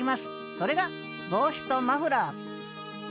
それが帽子とマフラー